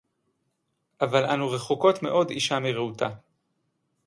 אבל אנו רחוקות מאוד אשה מרעותה.